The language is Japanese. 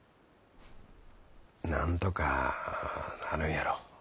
なんとかなるんやろ。